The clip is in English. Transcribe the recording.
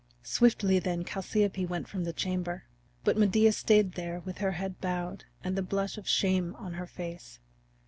Swiftly then Chalciope went from the chamber. But Medea stayed there with her head bowed and the blush of shame on her face.